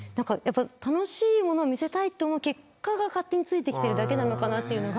楽しいものを見せたいと思う結果が勝手についてきているだけなのかなというのが。